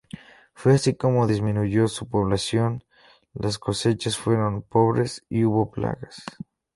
Fue así como disminuyó su población, las cosechas fueron pobres y hubo plagas.